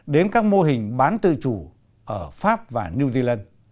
đến các mô hình bán tự chủ ở pháp và new zealand